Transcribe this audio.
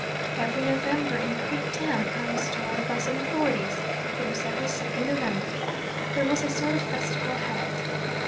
Every November in Creek Town (I was told by some authorities it was every second November) there was a sort of festival held.